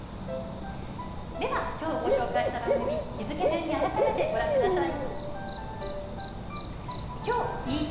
では、きょうご紹介した番組日付順に改めてご覧ください。